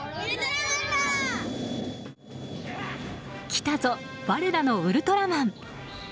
来たぞ、我らのウルトラマン！